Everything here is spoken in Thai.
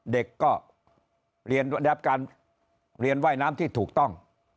เด็กก็เรียนรับการเรียนว่ายน้ำที่ถูกต้อง